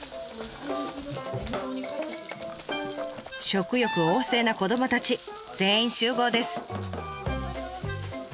食欲旺盛な子どもたち全員集合です。